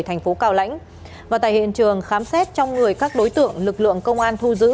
thành phố cao lãnh và tại hiện trường khám xét trong người các đối tượng lực lượng công an thu giữ